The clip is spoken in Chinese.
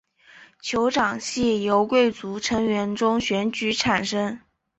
酋长系由贵族成员中选举产生。